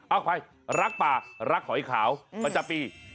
เอาไปรักป่ารักหอยขาวปัจจับปี๒๕๖๖